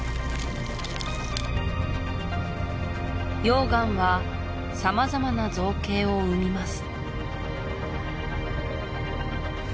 溶岩は様々な造形を生みます